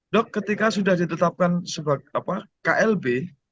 dok ketika sudah ditetapkan sebagai klb